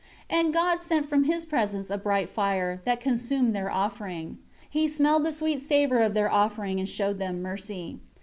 2 And God sent from His presence a bright fire, that consumed their offering. 3 He smelled the sweet savor of their offering, and showed them mercy.